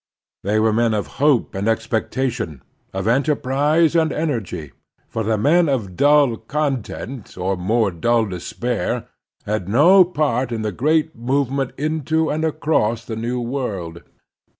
They were men of hope and expectation, of enterprise and energy; for the men of dull content or more dull despair had no part in the great movement into and across the New World.